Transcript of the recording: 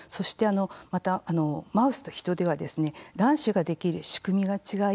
また、マウスとヒトでは卵子ができる仕組みが違い